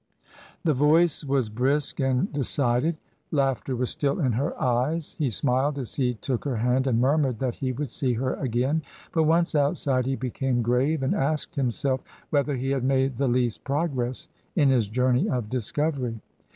The voice was brisk and decided ; laughter was still in her eyes. He smiled as he took her hand and murmured that he would see her again. But once outside, he be came grave, and asked himself whether he had made the least progress in his journey of discovery.